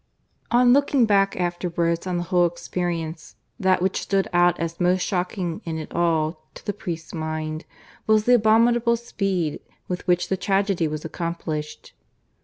(VI) On looking back afterwards on the whole experience, that which stood out as most shocking in it all, to the priest's mind, was the abominable speed with which the tragedy was accomplished.